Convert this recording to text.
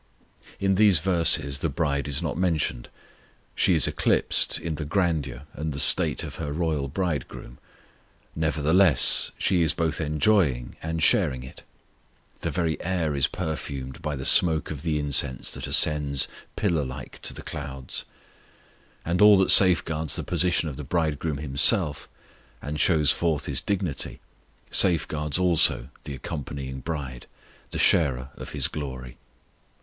In these verses the bride is not mentioned; she is eclipsed in the grandeur and the state of her royal Bridegroom; nevertheless, she is both enjoying and sharing it. The very air is perfumed by the smoke of the incense that ascends pillar like to the clouds; and all that safeguards the position of the Bridegroom Himself, and shows forth His dignity, safeguards also the accompanying bride, the sharer of His glory.